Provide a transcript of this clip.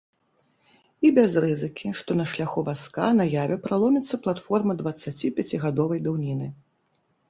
І без рызыкі, што на шляху вазка на яве праломіцца платформа дваццаціпяцігадовай даўніны.